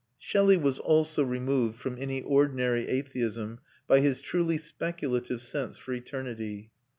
Shelley was also removed from any ordinary atheism by his truly speculative sense for eternity.